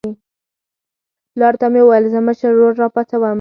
پلار ته مې وویل زه مشر ورور راپاڅوم.